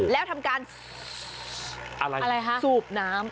แล้วทำการสูบน้ำ